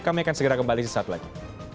kami akan segera kembali sesaat lagi